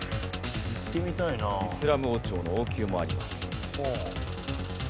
イスラム王朝の王宮もあります。